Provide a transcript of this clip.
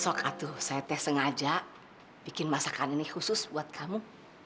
sok atuh saya tes sengaja bikin masakan ini khusus buat kamu